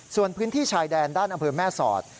ส่วนพื้นที่ชายแดนด้านอำเภอแม่สอด